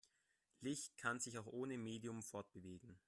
Licht kann sich auch ohne Medium fortbewegen.